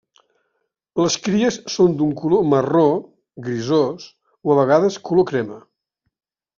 Les cries són d'un color marró grisós o a vegades color crema.